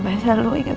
mbak selalu inget